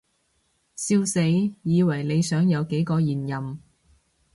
笑死，以為你想有幾個現任